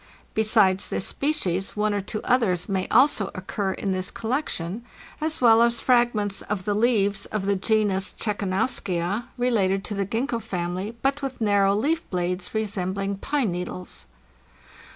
Besides this species, one or two others may also occur in this collection, as well as fragments of the leaves of the genus Czekanowskia, related to the Gingko family, but with narrow leaf blades resembling pine needles.